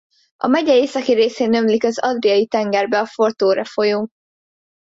A megye északi részén ömlik az Adriai-tengerbe a Fortore folyó.